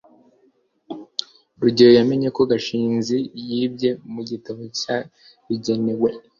rugeyo yamenye ko gashinzi yibye mu gitabo cyabigenewe